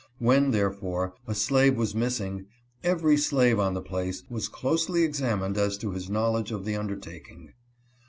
When, therefore, a slave was missing, every slave on the place was closely examined as to his knowledge of the undertaking.